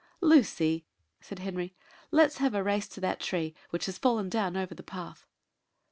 "Lucy," said Henry, "let us have a race to that tree which has fallen down over the path."